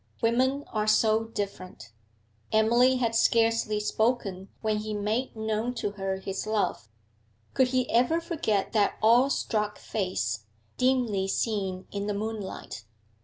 Women are so different! Emily had scarcely spoken when he made known to her his love; could he ever forget that awe struck face, dimly seen in the moonlight?